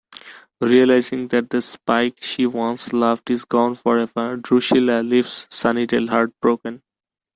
Realizing that the Spike she once loved is gone forever, Drusilla leaves Sunnydale heartbroken.